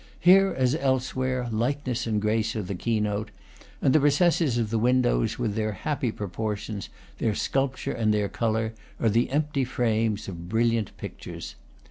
Here, as elsewhere, lightness and grace are the key note; and the recesses of the windows, with their happy proportions, their sculpture, and their color, are the empty frames of brilliant pictures.